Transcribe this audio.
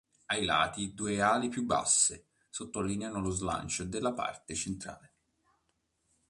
Ai lati due ali più basse sottolineano lo slancio della parte centrale.